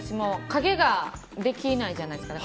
影ができないじゃないですか。